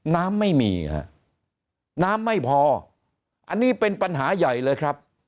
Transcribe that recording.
น้ำไม่มีฮะน้ำไม่พออันนี้เป็นปัญหาใหญ่เลยครับ